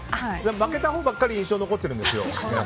負けたほうばっかり印象に残っているんですよ。